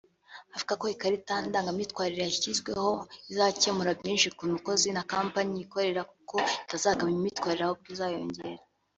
avuga ko ikarita ndangamyitwarire yashyizweho izakemura byinshi ku mukozi na kampani y ikorera kuko itazagabanya imyitwarire ahubwo izayongera